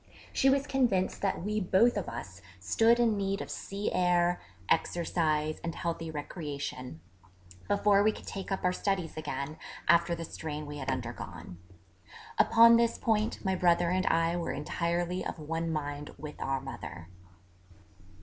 She was convinced that we both of us stood in need of sea air, exercise and healthy recreation, before we could take up our studies again, after the strain we had undergone. Upon this point my brother and I were entirely of one mind with our mother.